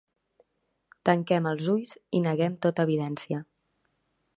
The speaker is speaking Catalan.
Tanquem els ulls i neguem tota evidència.